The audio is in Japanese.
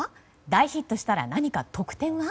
大ヒットしたら何か特典が？